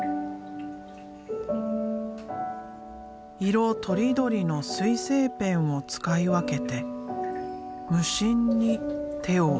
色とりどりの水性ペンを使い分けて無心に手を動かす。